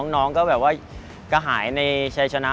น้องก็แบบว่ากระหายในชัยชนะ